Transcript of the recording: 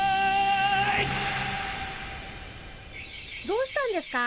どうしたんですか？